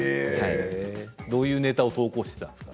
どういうネタを投稿していたんですか？